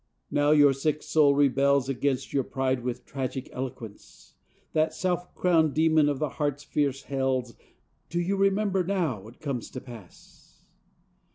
now your sick soul rebels Against your pride with tragic eloquence, That self crowned demon of the heart's fierce hells. Do you remember, now it comes to pass?